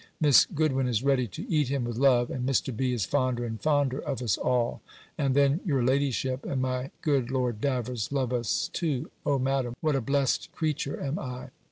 Miss Goodwin is ready to eat him with love: and Mr. B. is fonder and fonder of us all: and then your ladyship, and my good Lord Davers love us too. O, Madam, what a blessed creature am I!